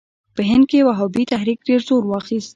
په هند کې وهابي تحریک ډېر زور واخیست.